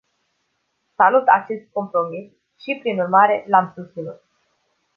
Salut acest compromis și, prin urmare, l-am susținut.